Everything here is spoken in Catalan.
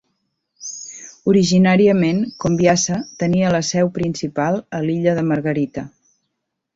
Originàriament, Conviasa tenia la seu principal a l'Illa de Margarita.